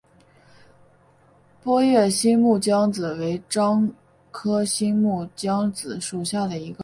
波叶新木姜子为樟科新木姜子属下的一个种。